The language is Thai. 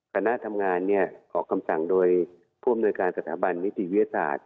คณะทำงานขอคำสั่งโดยผู้อำนวยการสถาบันนิติวิทยาศาสตร์